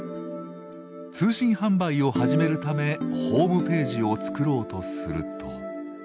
通信販売を始めるためホームページを作ろうとすると。